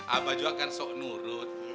abah juga kan sok nurut